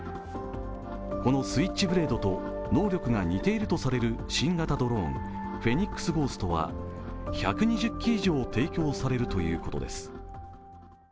このスイッチブレードと能力が似ているとされる新型ドローンフェニックスゴーストは１２０機以上提供されるということです。